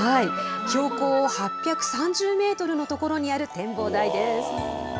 標高８３０メートルの所にある展望台です。